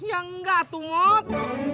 ya enggak tungut